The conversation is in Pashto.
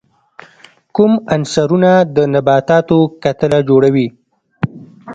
کوم عنصرونه د نباتاتو کتله جوړي؟